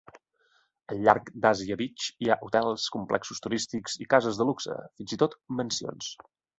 Al llarg d'Asia Beach hi ha hotels, complexos turístics i cases de luxe, fins i tot mansions.